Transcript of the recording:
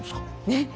ねっ